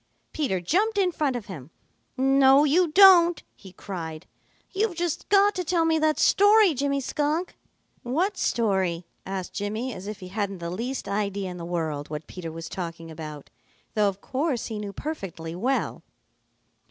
Peter jumped in front of him. "No, you don't!" he cried. "You've just got to tell me that story, Jimmy Skunk." "What story?" asked Jimmy, as if he hadn't the least idea in the world what Peter was talking about, though of course he knew perfectly well.